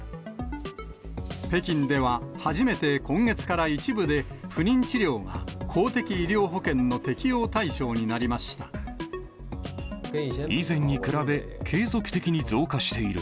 北京では、初めて今月から一部で不妊治療が、公的医療保険の適用対象になりま以前に比べ、継続的に増加している。